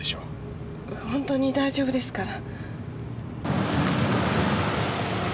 本当に大丈夫ですから。